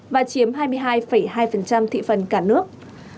và chiếm hai mươi hai hai thị phần cả nước